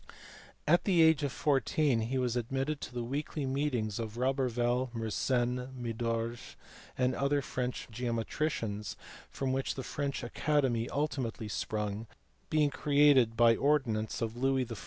At the age of fourteen he was admitted to the weekly meetings of Roberval, Mersenne, Mydorge, and other French geometricians; from which the French Academy ultimately sprung, being created by ordinance of Louis XIV.